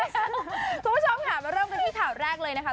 คุณผู้ชมค่ะมาเริ่มกันที่ข่าวแรกเลยนะคะ